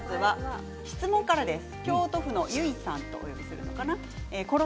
質問からです。